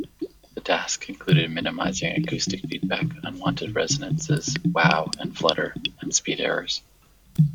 The task included minimizing acoustic feedback, unwanted resonances, wow and flutter and speed errors.